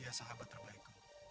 ya sahabat al malik